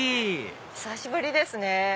久しぶりですね。